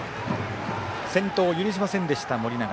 先頭、許しませんでした、盛永。